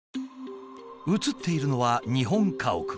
写っているのは日本家屋。